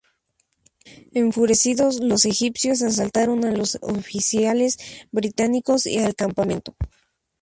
Enfurecidos, los egipcios asaltaron a los oficiales británicos y al campamento.